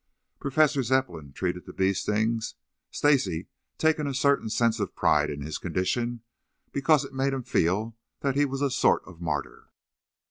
Professor Zepplin treated the bee stings, Stacy taking a certain sense of pride in his condition because it made him feel that he was a sort of martyr.